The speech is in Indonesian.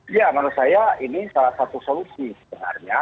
ya menurut saya ini salah satu solusi sebenarnya